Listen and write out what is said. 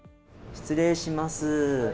失礼します。